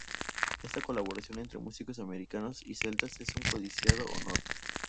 Esta colaboración entre músicos americanos y celtas es un codiciado honor.